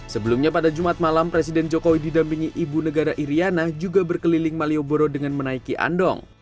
sebelumnya pada jumat malam presiden jokowi didampingi ibu negara iryana juga berkeliling malioboro dengan menaiki andong